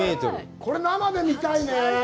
これ、生で見たいね。